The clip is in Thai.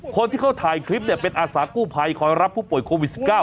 คนที่เขาถ่ายคลิปเป็นอาสากู้ภัยคอยรับผู้ป่วยโควิด๑๙